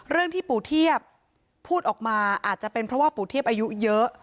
ที่ปู่เทียบพูดออกมาอาจจะเป็นเพราะว่าปู่เทียบอายุเยอะ